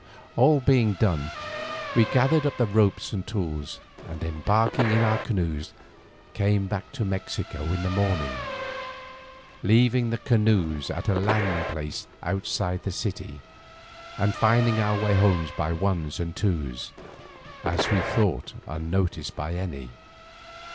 All being done we gathered up the ropes and tools, and embarking in the canoes, came back to Mexico in the morning, leaving the canoes at a landing place outside the city, and finding our way to our homes by ones and twos, as we thought unnoticed of any.